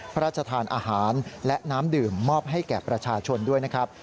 พระราชทานอาหารและน้ำดื่มมอบให้แก่ประชาชนด้วยนะครับ